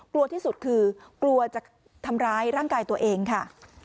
กลัวที่สุดคือกลัวจะทำร้ายร่างกายตัวเองค่ะ